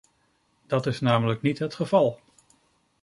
Dat is namelijk niet het geval.